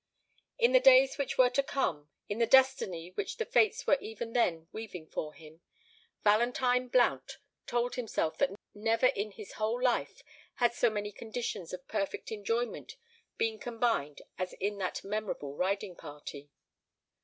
In the days which were to come, in the destiny which the Fates were even then weaving for him, Valentine Blount told himself that never in his whole life had so many conditions of perfect enjoyment been combined as in that memorable riding party.